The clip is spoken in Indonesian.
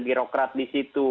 dan birokrat di situ